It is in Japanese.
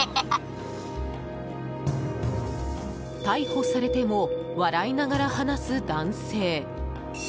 逮捕されても笑いながら話す男性。